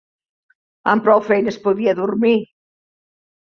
Amb prou feines podia dormir